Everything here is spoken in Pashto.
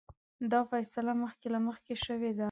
دا فیصله مخکې له مخکې شوې وه.